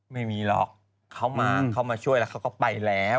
ไม่มีหรอกเขามาเขามาช่วยแล้วเขาก็ไปแล้ว